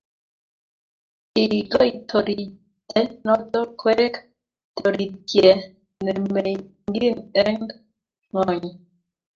kikigoi toriyte noto koek toritye nimengin end ngony.